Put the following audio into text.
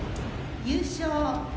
優勝。